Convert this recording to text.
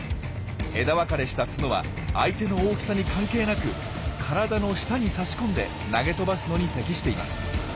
枝分かれした角は相手の大きさに関係なく体の下に差し込んで投げ飛ばすのに適しています。